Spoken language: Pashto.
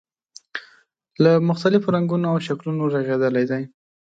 له مختلفو رنګونو او شکلونو رغېدلی دی.